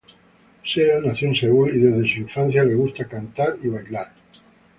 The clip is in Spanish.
Seo nació en Seúl y desde su infancia le gusta cantar y bailar.